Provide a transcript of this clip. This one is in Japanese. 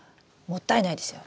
もったいないですよ。